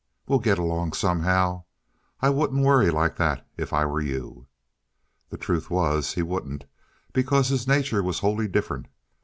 We'll get along somehow. I wouldn't worry like that if I were you." The truth was, he wouldn't, because his nature was wholly different.